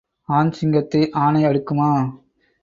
ஆண் சிங்கத்தை ஆனை அடுக்குமா?